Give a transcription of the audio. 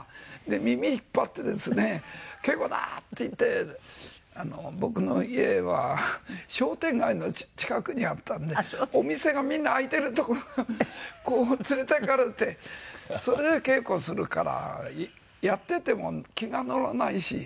耳引っ張ってですね「稽古だ！」って言って僕の家は商店街の近くにあったのでお店がみんな開いてるところをこう連れて行かれてそれで稽古をするからやっていても気が乗らないし。